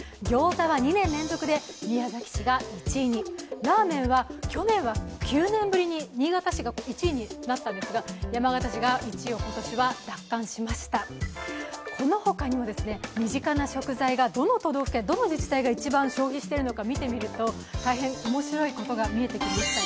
ラーメンは去年は９年ぶりに新潟市が１位になったんですが山形市が１位を今年は奪還しましたこの他にも、身近な食品がどの都道府県、どの自治体が消費しているのか見てみると大変面白いことが見えてきましたよ。